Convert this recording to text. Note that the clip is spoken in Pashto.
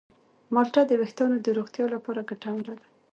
مالټه د ویښتانو د روغتیا لپاره ګټوره ده.